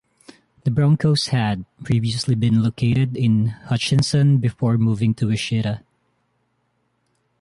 The Broncos had previously been located in Hutchinson before moving to Wichita.